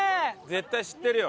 絶対知ってるよ。